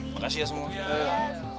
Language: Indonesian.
makasih ya semua